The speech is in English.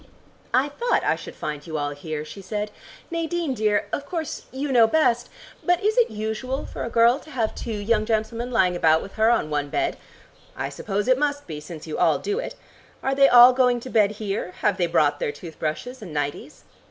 "I thought I should find you all here," she said. "Nadine dear, of course you know best, but is it usual for a girl to have two young gentlemen lying about with her on one bed? I suppose it must be, since you all do it. Are they all going to bed here? Have they brought their tooth brushes and nighties?